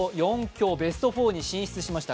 ベスト４に進出しました。